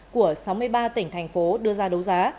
của sáu mươi ba tỉnh thành phố đưa ra đấu giá